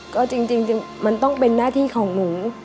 ก็จริงมันต้องเป็นหน้าที่ของหนู